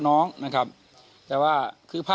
๒๕ลุงพลแม่ตะเคียนเข้าสิงหรือเปล่า